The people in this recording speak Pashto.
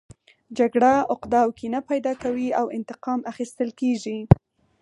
جګړه عقده او کینه پیدا کوي او انتقام اخیستل کیږي